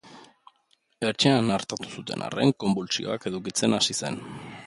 Etxean artatu zuten arren, konbultsioak edukitzen hasi zen.